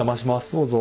どうぞ。